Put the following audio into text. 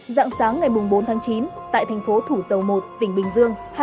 dạng sáng ngày bốn tháng chín tại thành phố thủ dầu một tỉnh bình dương